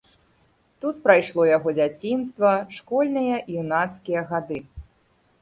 Тут прайшло яго дзяцінства, школьныя і юнацкія гады.